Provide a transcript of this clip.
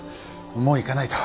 もう行かないと。